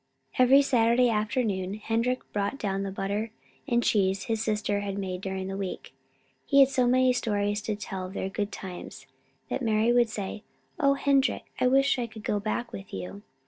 Every Saturday afternoon Henrik brought down the butter and cheese his sister had made during the week. He had so many stories to tell of their good times, that Mari would say: "Oh, dear! Henrik, I wish I could go back with you."